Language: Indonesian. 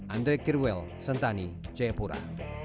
andre kirwel sentani cepura